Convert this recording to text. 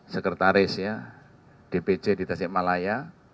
sekretaris ya dpc di tasik malaya